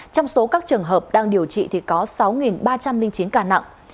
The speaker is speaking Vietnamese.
trong số các trường hợp đang điều trị thì có sáu ba trăm linh chín ca nặng